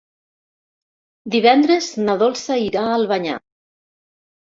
Divendres na Dolça irà a Albanyà.